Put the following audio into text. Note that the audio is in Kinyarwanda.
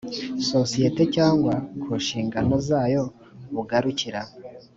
sosiyete cyangwa ku nshingano zayo bugarukira